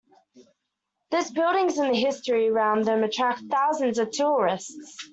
Those buildings and the history around them attract thousands of tourists.